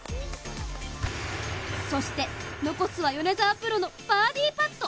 そして残すは米澤プロのバーディーパット。